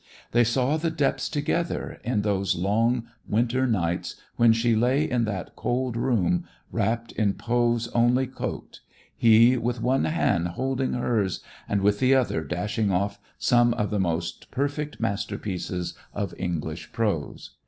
They saw the depths together in those long winter nights when she lay in that cold room, wrapped in Poe's only coat, he, with one hand holding hers, and with the other dashing off some of the most perfect masterpieces of English prose.